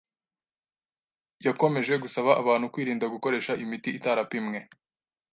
yakomeje gusaba abantu kwirinda gukoresha imiti itarapimwe.